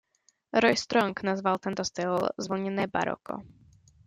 Roy Strong nazval tento styl „zvlněné baroko“.